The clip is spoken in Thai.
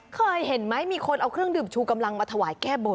เคยเห็นไหมมีคนเอาเครื่องดื่มชูกำลังมาถวายแก้บน